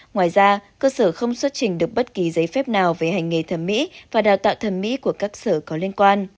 ngoài ra cơ sở không xuất trình được bất kỳ giấy phép nào về hành nghề thẩm mỹ và đào tạo thẩm mỹ của các sở có liên quan